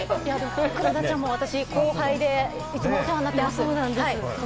黒田ちゃんも私の後輩でいつもお世話になってます。